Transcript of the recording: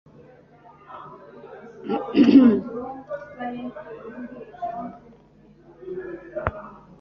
Ubu bwoko bwumuziki ntabwo ari igikombe cyanjye cyicyayi.